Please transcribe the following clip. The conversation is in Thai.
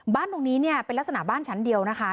บ้านตรงนี้เป็นลักษณะบ้านชั้นเดียวนะคะ